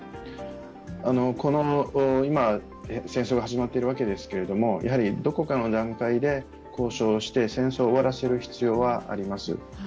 この今、戦争が始まっているわけですけど、やはりどこかの段階で交渉して戦争を終わらせる必要はあります。